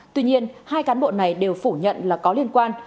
tuy nhiên hai cán bộ này đều phủ nhận là có liên quan